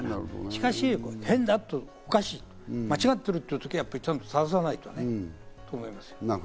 しかし変だと、おかしい、間違ってるというときはちゃんと正さないとと思いますよ。